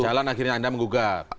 jalan akhirnya anda menggugat